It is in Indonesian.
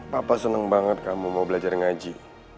papa senang banget kamu mau belajar ngaji